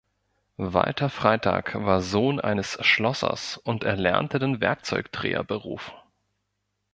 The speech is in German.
Walter Freitag war Sohn eines Schlossers und erlernte den Werkzeugdreherberuf.